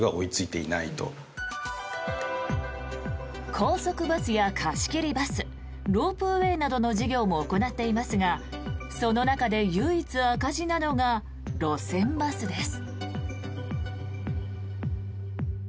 高速バスや貸し切りバスロープウェーなどの事業も行っていますがその中で唯一赤字なのが路線バスです。